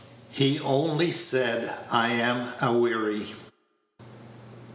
"HE ONLY SAID I AM A WEARY."